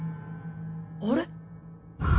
あれ？